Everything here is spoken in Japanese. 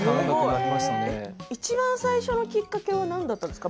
いちばん最初のきっかけは何だったんですか？